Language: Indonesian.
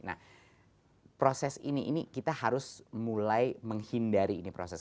nah proses ini ini kita harus mulai menghindari ini proses